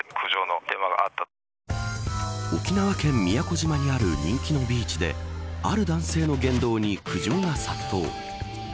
沖縄県宮古島にある人気のビーチである男性の言動に苦情が殺到。